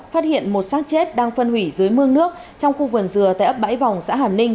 phát hiện một sát chết đang phân hủy dưới mương nước trong khu vườn dừa tại ấp bãi vòng xã hàm ninh